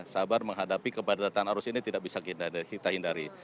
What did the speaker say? sabar menghadapi kepadatan arus ini tidak bisa kita hindari